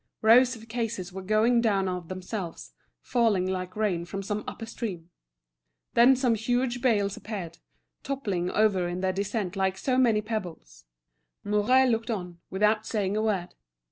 Rows of cases were going down of themselves, falling like rain from some upper stream. Then some huge bales appeared, toppling over in their descent like so many pebbles. Mouret looked on, without saying a word.